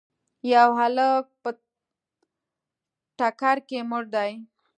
یو هلک په ټکر کي مړ دی.